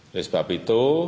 oleh sebab itu